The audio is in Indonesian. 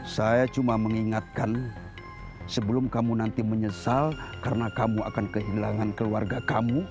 saya cuma mengingatkan sebelum kamu nanti menyesal karena kamu akan kehilangan keluarga kamu